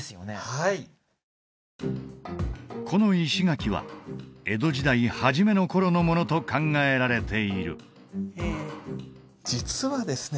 はいこの石垣は江戸時代初めの頃のものと考えられている実はですね